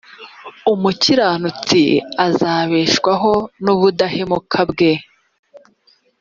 umukiranutsi azabeshwaho n ubudahemuka bwe.